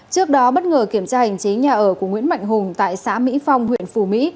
trước đó bất ngờ kiểm tra hành chính nhà ở của nguyễn mạnh hùng tại xã mỹ phong huyện phù mỹ